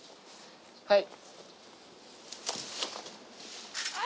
はい。